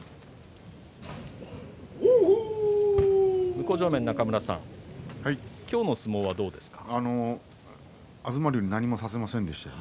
向正面の中村さん、今日の相撲はどうでしたか？